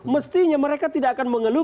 mestinya mereka tidak akan mengeluh